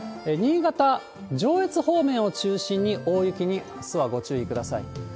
新潟、上越方面を中心に、大雪にあすはご注意ください。